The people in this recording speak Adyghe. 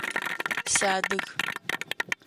Сыадыг.